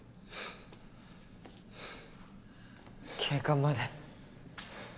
警官まで。